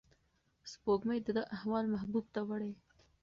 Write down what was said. سپوږمۍ د ده احوال محبوب ته وړي.